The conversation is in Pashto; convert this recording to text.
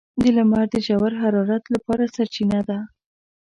• لمر د ژور حرارت لپاره سرچینه ده.